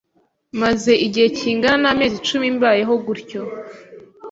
maze igihe kingana n’amezi icumi mbayeho gutyo